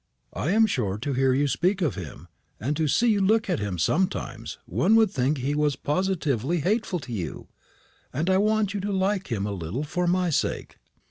I am sure, to hear you speak to him, and to see you look at him sometimes, one would think he was positively hateful to you. And I want you to like him a little for my sake."